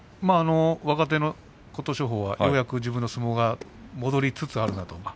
若手の琴勝峰はようやく自分の相撲が戻りつつあるなと。